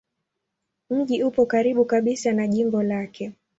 Mji upo karibu kabisa na jimbo lake.